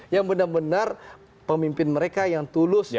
yang benar benar pemimpin mereka yang tulus